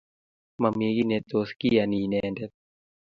Mami kiy ne tos kiyanie inendet